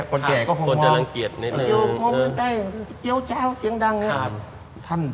คนอ่ะแกก็หงวาวมองขึ้นไปยแล้วแจ้วเสียงดังนี้ครับ